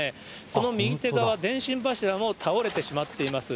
その右手側、電信柱も倒れてしまっています。